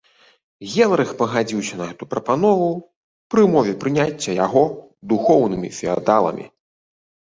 Генрых пагадзіўся на гэту прапанову, пры ўмове прыняцця яго духоўнымі феадаламі.